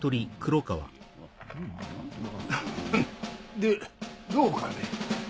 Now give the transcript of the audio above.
でどうかね。